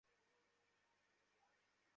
নয়তো, liver, kidney, ফুসফুস কে টা-টা বলে দাও।